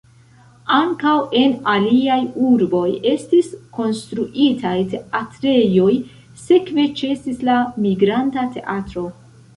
Ankaŭ en aliaj urboj estis konstruitaj teatrejoj, sekve ĉesis la migranta teatro.